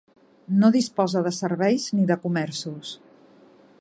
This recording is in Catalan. No disposa de serveis ni de comerços.